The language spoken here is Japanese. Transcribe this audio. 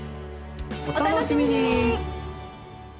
お楽しみに！